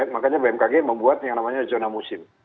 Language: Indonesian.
makanya bmkg membuat yang namanya zona musim